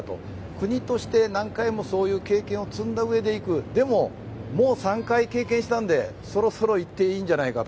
国として、何回もそういう経験を積んだうえで行くでも、もう３回経験したんでそろそろ行っていいんじゃないかと。